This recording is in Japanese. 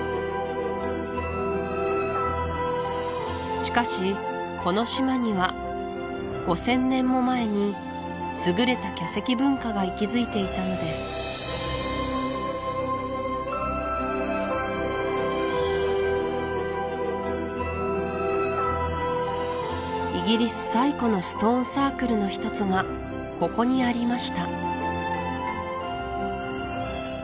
しかしこの島には５０００年も前に優れた巨石文化が息づいていたのですイギリス最古のストーンサークルの一つがここにありました